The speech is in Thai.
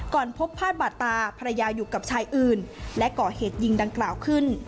พบพาดบาดตาภรรยาอยู่กับชายอื่นและก่อเหตุยิงดังกล่าวขึ้น